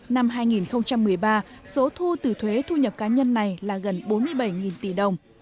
năm hai nghìn một mươi ba số thu từ thuế thu nhập cá nhân này là gần bốn mươi bảy tỷ đồng